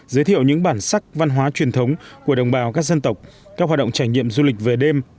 giới thiệu những bản sắc văn hóa truyền thống của đồng bào các dân tộc các hoạt động trải nghiệm du lịch về đêm